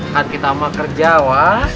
kan kita sama kerja wah